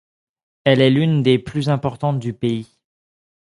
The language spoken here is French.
Elle est l'une des plus importantes villes du pays.